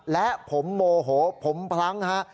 และผมโมโหผมพลั้งฮะ